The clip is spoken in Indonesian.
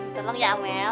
tolong ya amel